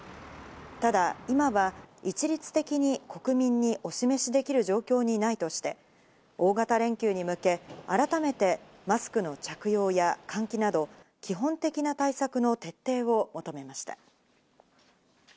ただ、今は一律的に国民にお示しできる状況にないとして大型連休に向け、改めてマスクの着用や換気など基本的な対策の徹底を求めました。